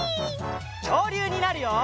きょうりゅうになるよ！